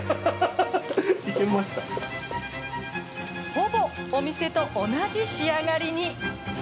ほぼ、お店と同じ仕上がりに。